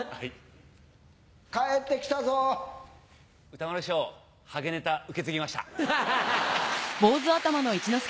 歌丸師匠ハゲネタ受け継ぎました。